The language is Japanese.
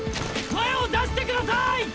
声を出してください！